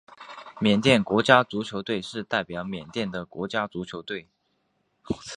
缅甸国家足球队是代表缅甸的国家足球队。